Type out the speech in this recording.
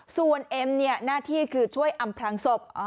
ส่วนเอ็มเนี่ยหน้าที่คือช่วยอำพลังศพ